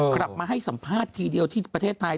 กลับมาให้สัมภาษณ์ทีเดียวที่ประเทศไทย